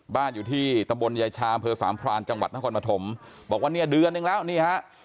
บ้านอยู่ที่ตำบลยายชาอำเภอสามพรานจังหวัดนครปฐมบอกว่าเนี่ยเดือนหนึ่งแล้วนี่ฮะ